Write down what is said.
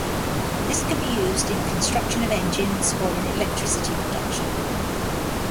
This can be used in construction of engines or in electricity production.